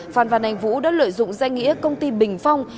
phan văn anh vũ đã lợi dụng danh nghĩa công ty bình phong